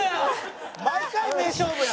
毎回名勝負や！